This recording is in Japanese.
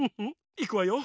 いくわよ。